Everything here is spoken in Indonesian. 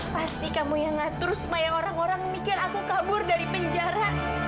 pasti kamu yang ngatur supaya orang orang mikir aku kabur dari penjara